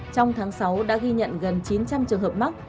trong tháng sáu đã ghi nhận gần chín trăm linh trường hợp mắc